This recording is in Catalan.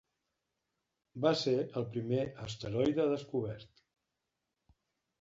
Va ser el seu primer asteroide descobert.